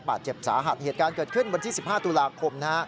ผ่านเหตุการณ์เกิดขึ้นวันที่๑๕ตุลาคมนะ